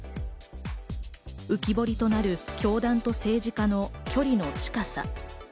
浮き彫りとなる教団と政治家の距離の近さ。